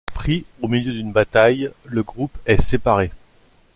Pris au milieu d'une bataille, le groupe est séparé.